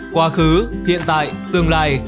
quá khứ hiện tại tương lai